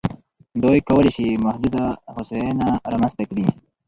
دوی کولای شي محدوده هوساینه رامنځته کړي.